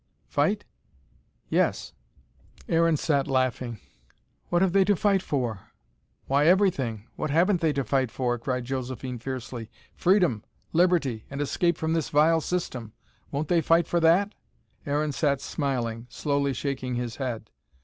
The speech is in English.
"Fight?" "Yes." Aaron sat laughing. "What have they to fight for?" "Why, everything! What haven't they to fight for?" cried Josephine fiercely. "Freedom, liberty, and escape from this vile system. Won't they fight for that?" Aaron sat smiling, slowly shaking his head.